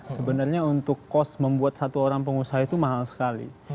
sebenarnya untuk cost membuat satu orang pengusaha itu mahal sekali